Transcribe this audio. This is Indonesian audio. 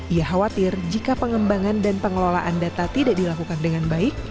ia khawatir jika pengembangan dan pengelolaan data tidak dilakukan dengan baik